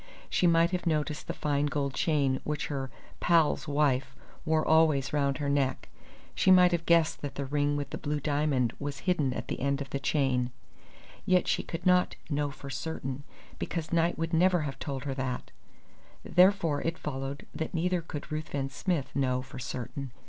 She might have noticed the fine gold chain which her "pal's" wife wore always round her neck. She might have guessed that the ring with the blue diamond was hidden at the end of the chain; yet she could not know for certain, because Knight would never have told her that. Therefore it followed that neither could Ruthven Smith know for certain.